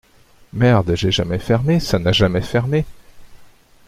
Merde j’ai jamais fermé, ça n’a jamais fermé.